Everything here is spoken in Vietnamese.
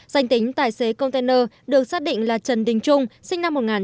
danh tính tài xế container được xác định là trần đình trung sinh năm một nghìn chín trăm tám mươi